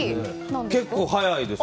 結構、早いです。